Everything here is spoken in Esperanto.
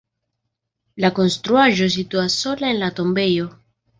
La konstruaĵo situas sola en la tombejo.